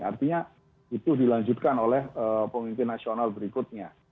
artinya itu dilanjutkan oleh pemimpin nasional berikutnya